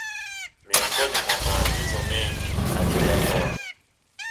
miongoni mwa maagizo mengi aliyoyatoa